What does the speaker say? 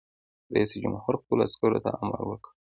رئیس جمهور خپلو عسکرو ته امر وکړ؛ بند!